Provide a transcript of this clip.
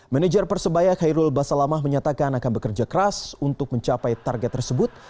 manajer persebaya khairul basalamah menyatakan akan bekerja keras untuk mencapai target tersebut